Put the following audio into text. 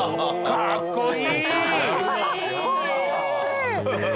かっこいい！